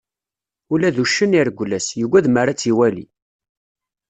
Ula d uccen ireggel-as, yugad m'ara tt-iwali.